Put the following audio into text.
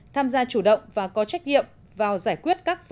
tham gia chủ động và có trách nhiệm vào giải quyết các nguyên liệu